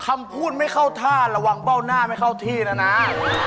คำพูดไม่เข้าท่าระวังเบ้าหน้าไม่เข้าที่แล้วนะ